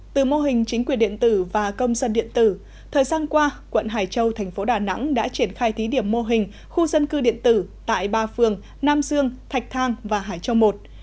từ mô hình chính quyền điện tử và công dân điện tử thời gian qua quận hải châu thành phố đà nẵng đã triển khai thí điểm mô hình khu dân cư điện tử tại ba phường nam dương thạch thang và hải châu i